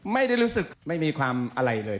ไม่ได้รู้สึกไม่มีความอะไรเลย